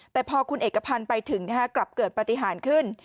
แต่พอคุณเอกพันธ์ไปถึงกลับเกิดปฏิหารขึ้น